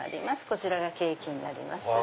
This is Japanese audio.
こちらがケーキになります。